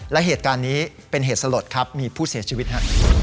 และเหตุการณ์นี้เป็นเหตุสลดครับมีผู้เสียชีวิตฮะ